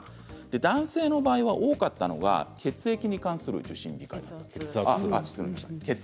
男性の場合、多かったのは血圧に関する受診控えですね。